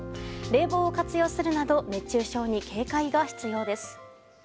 冷房を活用するなど熱中症に警戒が必要です。